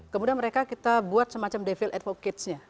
kemudian mereka kita buat semacam devil's advocate nya